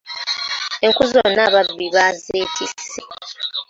Enku zonna ababbi baazeetisse.